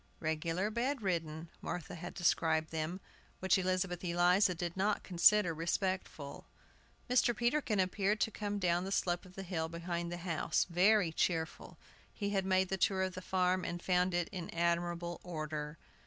"Regular bed ridden," Martha had described them, which Elizabeth Eliza did not consider respectful. Mr. Peterkin appeared coming down the slope of the hill behind the house, very cheerful. He had made the tour of the farm, and found it in admirable order.